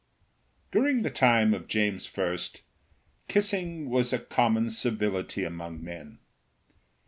During the time of James I. kissing was a common civility among men.